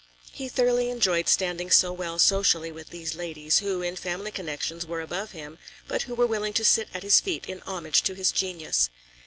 He thoroughly enjoyed standing so well socially with these ladies, who in family connections were above him, but who were willing to sit at his feet in homage to his genius.